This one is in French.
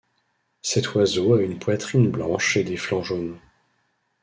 Cet oiseau a une poitrine blanche et des flancs jaunes.